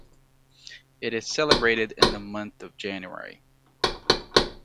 It is celebrated in the month of January.